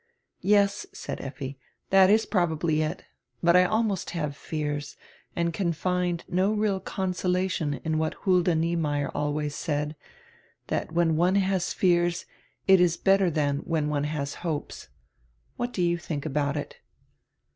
"Yes," said Effi, "diat is probably it. But I almost have fears, and can find no real consolation in what Hulda Niemeyer always said: diat when one has fears it is better dian when one has hopes. What do you diink about it?"